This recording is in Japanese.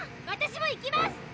⁉私も行きます！